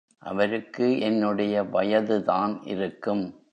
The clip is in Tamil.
அவருக்கு என்னுடைய வயதுதான் இருக்கும்.